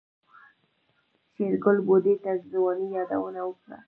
شېرګل بوډۍ ته د ځوانۍ يادونه وکړه.